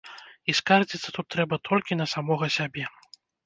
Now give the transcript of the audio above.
І скардзіцца тут трэба толькі на самога сябе.